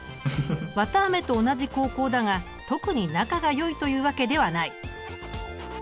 ワタアメと同じ高校だが特に仲がよいというわけではない。